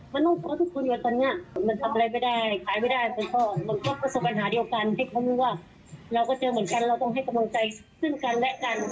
มันต้องเพาะทุกคนอยู่ตอนเนี้ยมันทำอะไรไม่ได้ขายไม่ได้